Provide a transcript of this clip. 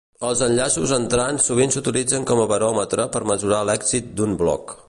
Els enllaços entrants sovint s’utilitzen com a baròmetre per mesurar l’èxit d’un blog.